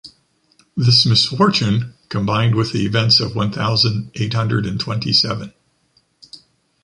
This misfortune combined with the events of one thousand eight hundred and twenty-seven.